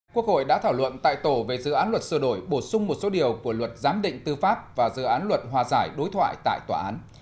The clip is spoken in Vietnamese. quốc hội đã thảo luận tại tổ về dự án luật sửa đổi bổ sung một số điều của luật giám định tư pháp và dự án luật hòa giải đối thoại tại tòa án